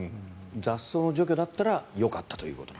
雑草の除去だったらよかったと。